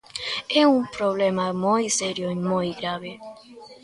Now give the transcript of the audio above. É un problema moi serio e moi grave.